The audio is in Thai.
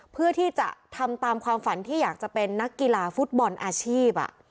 เพื่อที่จะทำตามความฝันที่อยากจะเป็นนักกีฬาฟุตบอลอาชีพ